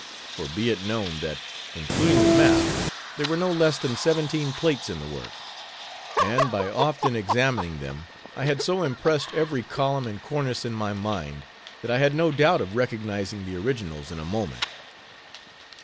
For be it known that, including the map, there were no less than seventeen plates in the work. And by often examining them, I had so impressed every column and cornice in my mind, that I had no doubt of recognizing the originals in a moment.